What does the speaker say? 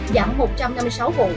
giảm một trăm năm mươi sáu vụ